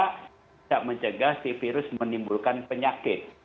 bisa mencegah virus menimbulkan penyakit